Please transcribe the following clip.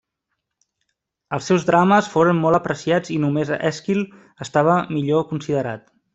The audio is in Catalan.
Els seus drames foren molt apreciats i només Èsquil estava millor considerat.